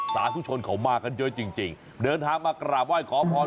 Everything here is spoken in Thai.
สาธุชนเขามากันเยอะจริงเดินทางมากราบไหว้ขอพร